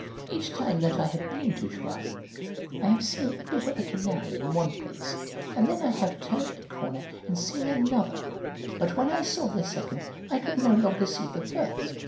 Each time that I have been to Jouy I have seen a bit of a canal in one place, and then I have turned a corner and seen another, but when I saw the second I could no longer see the first.